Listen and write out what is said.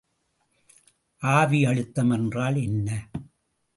ஆவியழுத்தம் என்றால் என்ன?